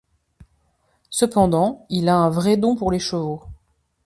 Cependant, il a un vrai don pour les chevaux.